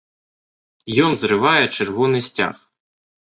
Ён зрывае чырвоны сцяг.